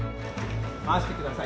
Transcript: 回してください。